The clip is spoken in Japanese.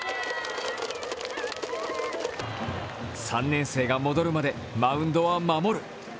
３年生が戻るまでマウンドは守る。